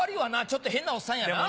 ちょっと変なおっさんやな。